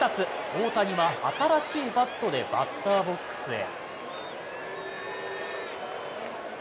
大谷は新しいバットでバッターボックスへ。